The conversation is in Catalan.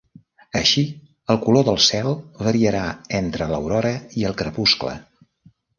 Així, el color del cel variarà entre l'aurora i el crepuscle.